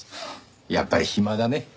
やっぱり暇だね。